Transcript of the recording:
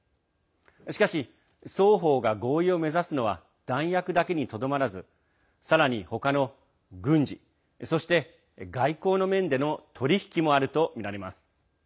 しかし、双方が合意を目指すのは弾薬だけにとどまらずさらに他の軍事そして、外交の面での取り引きもあるとみられます。